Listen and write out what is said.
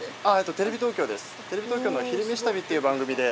テレビ東京の「昼めし旅」っていう番組で。